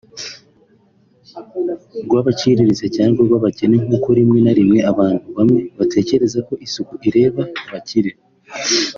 rw'abaciriritse cyangwa rw'abakene nk'uko rimwe na rimwe abantu bamwe batekereza ko isuku ireba abakire